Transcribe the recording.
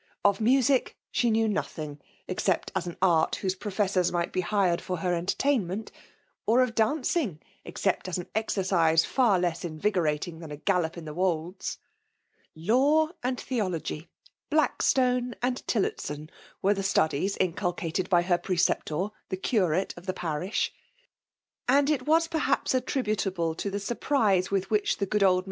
Of music she knew nothing, ex cept as an art whose professors might be hired for her entertainment ; or of dancing, except as an exercise far less invigorating than a gal lop on the wolds. Law and theology, Black stone and Tillotson, were the studies inculcated by her preceptor, the curate of the parish ; and \t'mysj^%t^ti\3XLtal>liB to tiie suiprise wi^ vUch Ik ^ old.